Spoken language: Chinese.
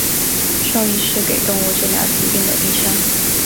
兽医是给动物治疗疾病的医生。